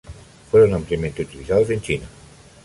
Fueron ampliamente utilizados en China.